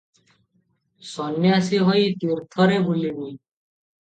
ସନ୍ୟାସୀ ହୋଇ ତୀର୍ଥରେ ବୁଲିବି ।